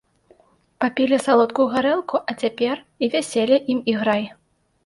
Папілі салодкую гарэлку, а цяпер і вяселле ім іграй.